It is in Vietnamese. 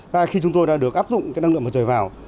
và khi chúng tôi đã được áp dụng cái năng lượng mặt trời vào